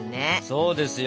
そうですよ！